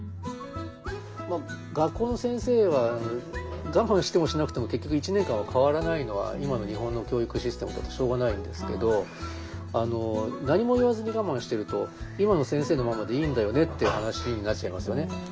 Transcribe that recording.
学校の先生はガマンしてもしなくても結局１年間は代わらないのは今の日本の教育システムだとしょうがないんですけど何も言わずにガマンしてると今の先生のままでいいんだよねっていう話になっちゃいますよね。